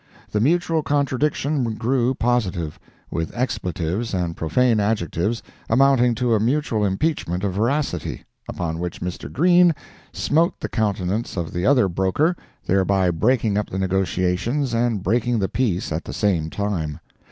The mutual contradiction grew positive, with expletives and profane adjectives, amounting to a mutual impeachment of veracity, upon which Mr. Green smote the countenance of the other broker, thereby breaking up the negotiations and breaking the peace at the same time.